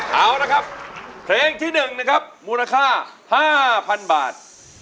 เอานะครับเพลงที่๑มูลค่า๕๐๐๐บาท